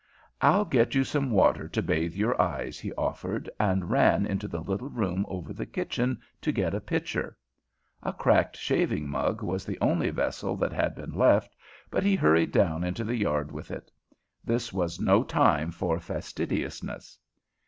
"I'll get you some water to bathe your eyes," he offered, and ran into the little room over the kitchen to get a pitcher. A cracked shaving mug was the only vessel that had been left, but he hurried down into the yard with it. This was no time for fastidiousness.